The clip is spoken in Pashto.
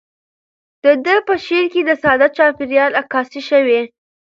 د ده په شعر کې د ساده چاپیریال عکاسي شوې.